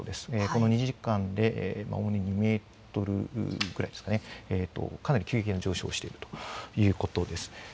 この２時間で主に２メートルくらいですかね、かなり急激に上昇しているということです。